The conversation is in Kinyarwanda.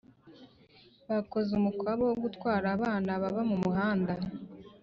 Bakoze umukwabo wogutwara abana baba mu umuhanda